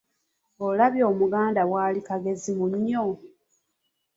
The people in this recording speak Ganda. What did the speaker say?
Olabye Omuganda bwali “kagezi munnyo?